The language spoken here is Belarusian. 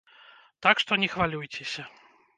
Так што не хвалюйцеся.